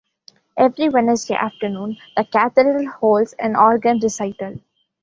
Every Wednesday afternoon, the cathedral holds an organ recital.